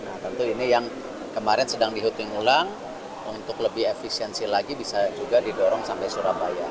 nah tentu ini yang kemarin sedang dihuting ulang untuk lebih efisiensi lagi bisa juga didorong sampai surabaya